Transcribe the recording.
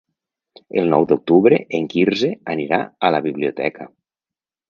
El nou d'octubre en Quirze anirà a la biblioteca.